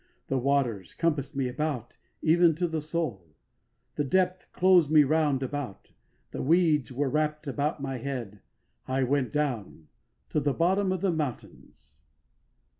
The waters compassed me about, even to the soul: The depth closed me round about, The weeds were wrapped about my head. I went down to the bottoms of the mountains.